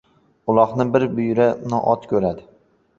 Uloqni bir Buyra ot ko‘tardi.